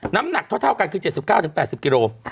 น้ำหนักเท่ากันคือ๗๙๘๐กิโล